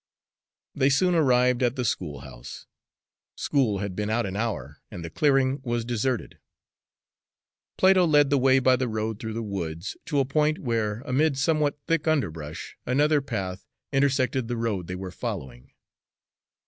They soon arrived at the schoolhouse. School had been out an hour, and the clearing was deserted. Plato led the way by the road through the woods to a point where, amid somewhat thick underbrush, another path intersected the road they were following.